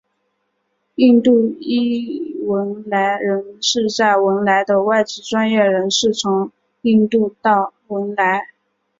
印度裔汶莱人是在文莱的外籍专业人士从印度到文莱。